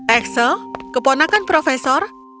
axel keponakan profesor